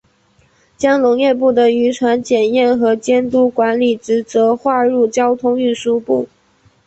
将农业部的渔船检验和监督管理职责划入交通运输部。